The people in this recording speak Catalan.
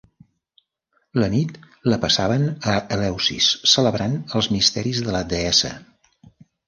La nit la passaven a Eleusis celebrant els misteris de la deessa.